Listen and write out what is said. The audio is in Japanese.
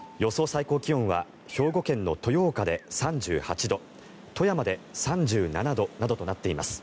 最高気温は兵庫県の豊岡で３８度富山で３７度などとなっています。